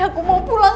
aku mau pulang